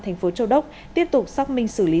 thành phố châu đốc tiếp tục xác minh xử lý